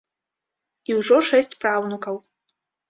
І ўжо шэсць праўнукаў.